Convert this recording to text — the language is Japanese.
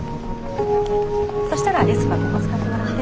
そしたらデスクはここ使ってもらって。